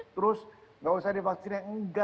terus tidak usah divaksin